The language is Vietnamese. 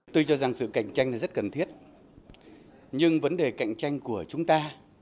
tôi cho rằng sự cạnh tranh là rất cần thiết nhưng vấn đề cạnh tranh của chúng ta